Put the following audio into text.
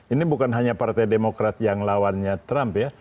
ini bukan hanya partai demokrat yang lawannya trump ya